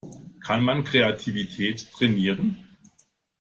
Kann man Kreativität trainieren?